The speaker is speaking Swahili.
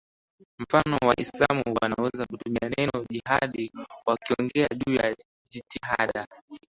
mfano Waislamu wanaweza kutumia neno jihadi wakiongea juu ya jitihada